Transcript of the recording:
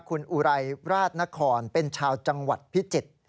คุณอุไรราชนครเป็นชาวจังหวัดพิจิตร